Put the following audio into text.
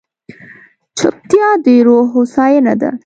چپتیا، د روح هوساینه ده.